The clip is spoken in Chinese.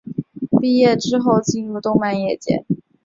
毕业之后进入动画业界。